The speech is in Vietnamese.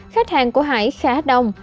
khách hàng của hải khá đông